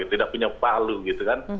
tidak punya palu gitu kan